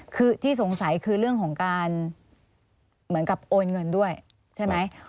คือที่สงสัยคือเรื่องของการเหมือนกับโอนเงินด้วยใช่ไหม